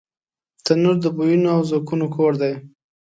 تنور د بویونو او ذوقونو کور دی